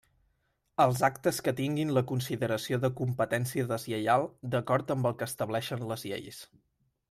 Els actes que tinguin la consideració de competència deslleial d'acord amb el que estableixin les lleis.